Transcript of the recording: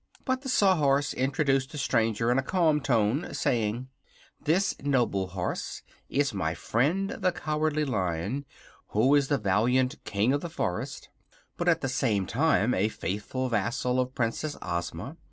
But the Sawhorse introduced the stranger in a calm tone, saying, "This, noble Horse, is my friend the Cowardly Lion, who is the valiant King of the Forest, but at the same time a faithful vassal of Princess Ozma.